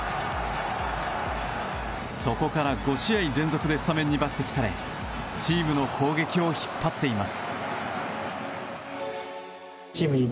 そこから５試合連続でスタメンに抜擢されチームの攻撃を引っ張っています。